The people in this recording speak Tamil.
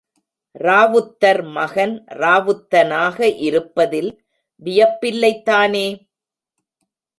ராவுத்தர் மகன் ராவுத்தனாக இருப்பதில் வியப்பில்லைதானே!